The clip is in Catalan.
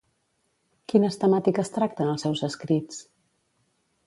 Quines temàtiques tracta en els seus escrits?